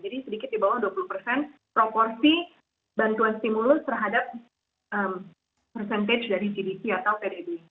sedikit di bawah dua puluh persen proporsi bantuan stimulus terhadap persentage dari cdc atau pdb